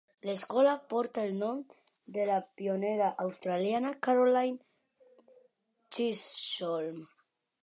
L'escola porta el nom de la pionera australiana Caroline Chisholm.